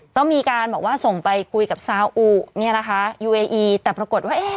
ต้องมีการบอกว่าส่งไปคุยกับซาอุเนี่ยนะคะยูเออีแต่ปรากฏว่าเอ๊ะ